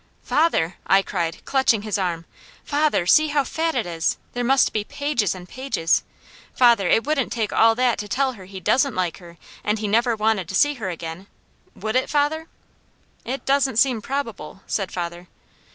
"Father!" I cried, clutching his arm, "father, see how fat it is! There must be pages and pages! Father, it wouldn't take all that to tell her he didn't like her, and he never wanted to see her again. Would it, father?" "It doesn't seem probable," said father.